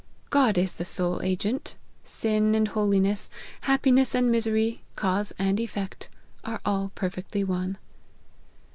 ' God is the sole agent ; sin and holiness, happiness and misery, cause and effect, are all per fectly one.'